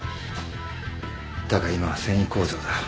だが今は繊維工場だ。